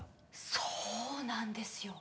そうなんですよ。